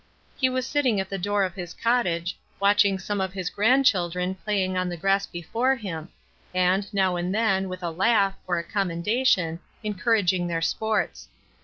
He was sitting at the door of his cottage, watching some of his grandchildren, playing on the grass before him, and, now and then, with a laugh, or a commendation, encouraging their sports.